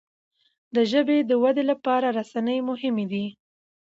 د ژبي د ودې لپاره رسنی مهمي دي.